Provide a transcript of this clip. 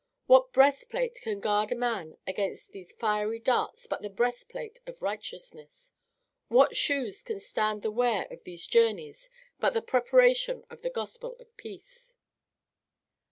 What breastplate can guard a man against these fiery darts but the breastplate of righteousness? What shoes can stand the wear of these journeys but the preparation of the gospel of peace?"